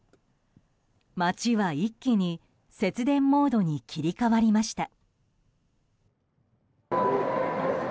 街は一気に節電モードに切り替わりました。